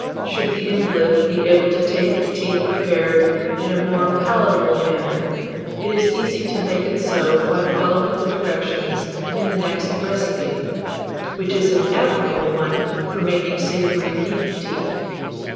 Should the invalid be able to take the tea prepared in a more palatable manner, it is easy to make it so by following the directions in the next recipe, which is an admirable one for making savoury beef tea.